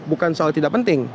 bukan soal tidak penting